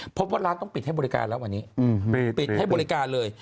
พบว่าร้านต้องปิดให้บริการแล้ววันนี้ปิดให้บริการเลย